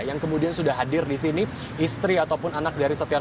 yang kemudian sudah hadir di sini istri ataupun anak dari setia novanto